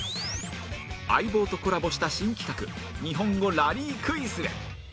『相棒』とコラボした新企画日本語ラリークイズへ